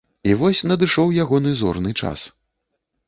І вось надышоў ягоны зорны час.